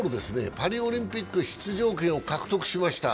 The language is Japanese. パリオリンピック出場権を獲得しました。